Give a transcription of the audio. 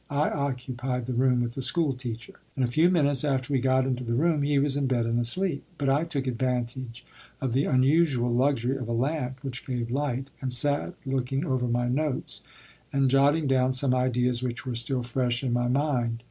I occupied the room with the school teacher. In a few minutes after we got into the room he was in bed and asleep; but I took advantage of the unusual luxury of a lamp which gave light, and sat looking over my notes and jotting down some ideas which were still fresh in my mind.